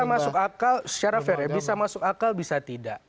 termasuk akal secara fair ya bisa masuk akal bisa tidak